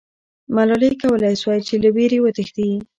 ملالۍ کولای سوای چې له ویرې وتښتي.